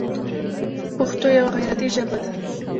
پښتو یوه غیرتي ژبه ده.